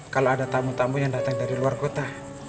kalau ada tamu tamu yang datang dari luar kota